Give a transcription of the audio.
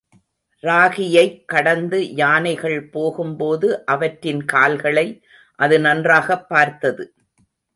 ராகியைக் கடந்து யானைகள் போகும் போது அவற்றின் கால்களை அது நன்றாகப் பார்த்தது.